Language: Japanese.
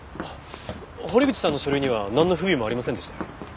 堀口さんの書類にはなんの不備もありませんでしたよ。